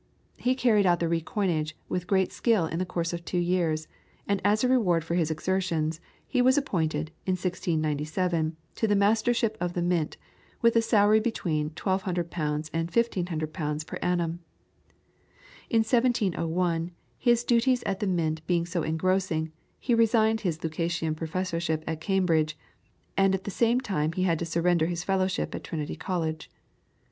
He carried out the re coinage with great skill in the course of two years, and as a reward for his exertions, he was appointed, in 1697, to the Mastership of the Mint, with a salary between 1,200 Pounds and 1,500 Pounds per annum. In 1701, his duties at the Mint being so engrossing, he resigned his Lucasian professorship at Cambridge, and at the same time he had to surrender his fellowship at Trinity College.